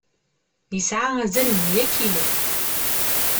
Yesɛa azal n mya kilu.